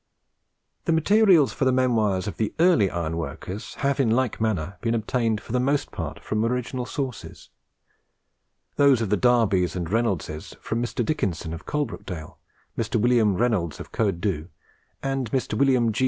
The materials for the memoirs of the early iron workers have in like manner been obtained for the most part from original sources; those of the Darbys and Reynoldses from Mr. Dickinson of Coalbrookdale, Mr. William Reynolds of Coed du, and Mr. William G.